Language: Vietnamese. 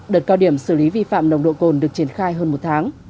đợt cao điểm xử lý vi phạm nồng độ cồn được triển khai hơn một tháng